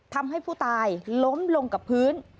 ทำให้ผู้ตายล้มลงกับพื้น